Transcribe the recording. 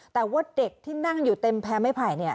แต่ว่าเด็กที่นั่งอยู่เต็มแพ้ไม่ไผ่